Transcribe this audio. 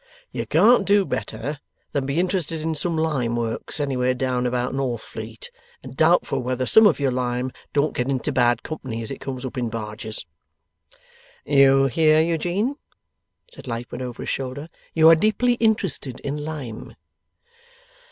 You can't do better than be interested in some lime works anywhere down about Northfleet, and doubtful whether some of your lime don't get into bad company as it comes up in barges.' 'You hear Eugene?' said Lightwood, over his shoulder. 'You are deeply interested in lime.